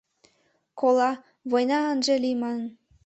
Кола, война ынже лий манын.